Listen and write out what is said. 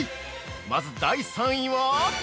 まず第３位は？